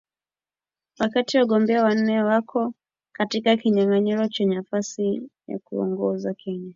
Wakati wagombea wanne wako katika kinyang’anyiro cha nafasi ya juu ya uongozi Kenya